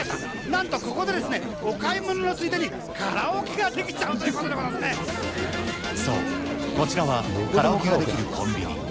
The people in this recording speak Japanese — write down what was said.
なんとここでですね、お買い物のついでにカラオケができちゃうとそう、こちらはカラオケができるコンビニ。